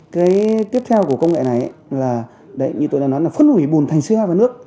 cái tiếp theo của công nghệ này là đấy như tôi đã nói là phân hủy bùn thành co hai vào nước